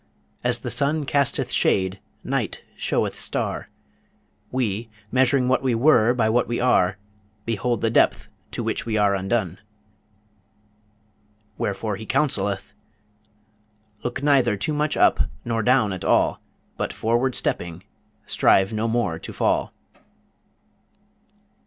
As the sun casteth shade, night showeth star, We, measuring what we were by what we are, Behold the depth to which we are undone. Wherefore he counselleth: Look neither too much up, nor down at all, But, forward stepping, strive no more to fall.